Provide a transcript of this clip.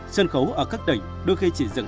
sân khấu ở các tỉnh đôi khi chỉ dựng